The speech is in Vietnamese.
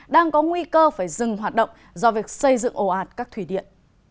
đang có nguy cơ phải dừng hoạt động do việc xây dựng ồ ạt các thủy điện